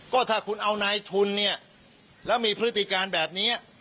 ก็ถ้าคุณเอานายทุนเนี่ยแล้วมีพฤติการแบบนี้